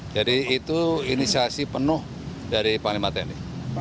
jadi itu inisiasi penuh dari panglima tni